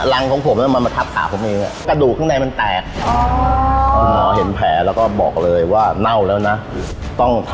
รังของผมมันมาถาบขาบผมเอง